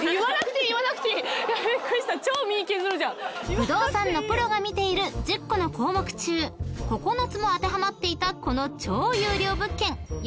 ［不動産のプロが見ている１０個の項目中９つも当てはまっていたこの超優良物件］